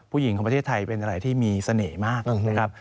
ผู้หญิงของประเทศไทยเป็นอะไรที่มีเสน่ห์มากนะครับ